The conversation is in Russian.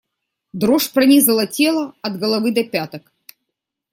Дрожь пронизала тело от головы до пяток.